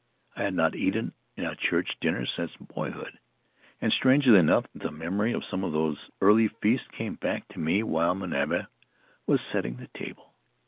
I had not eaten a church dinner since boyhood, and, strangely enough, the memory of some of those early feasts came back to me while Manava was setting the table.